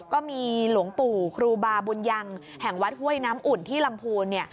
ก็มีหลวงปู่ครูบาบุญยังแห่งวัดห้วยน้ำอุ่นที่ลำพูน